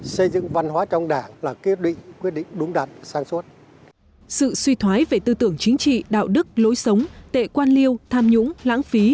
sự suy thoái về tư tưởng chính trị đạo đức lối sống tệ quan liêu tham nhũng lãng phí